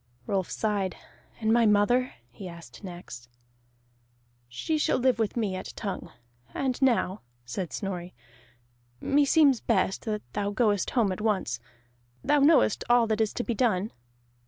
Rolf sighed. "And my mother?" he asked next. "She shall live with me at Tongue. And now," said Snorri, "meseems best that thou goest home at once. Thou knowest all that is to be done?"